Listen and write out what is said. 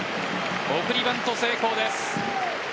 送りバント成功です。